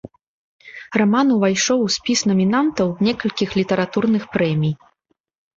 Раман увайшоў у спіс намінантаў некалькіх літаратурных прэмій.